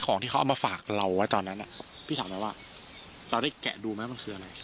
ของที่เขาเอามาฝากเราไว้ตอนนั้นพี่ถามไหมว่าเราได้แกะดูไหมมันคืออะไร